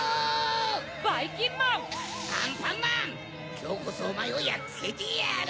きょうこそおまえをやっつけてやる！